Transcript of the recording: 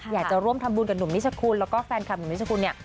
อยากจะร่วมทำบุญกับหนุ่มนิชคุณแล้วก็แฟนคลับหนุ่มนิชคุณเนี่ย